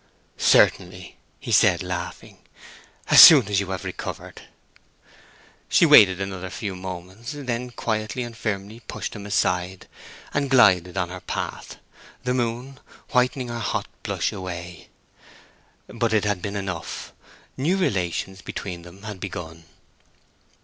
"Certainly," he said, laughing; "as soon as you have recovered." She waited another few moments, then quietly and firmly pushed him aside, and glided on her path, the moon whitening her hot blush away. But it had been enough—new relations between them had begun.